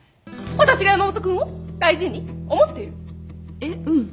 えっうん。